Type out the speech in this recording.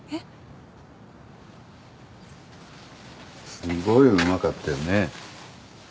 すごいうまかったよね。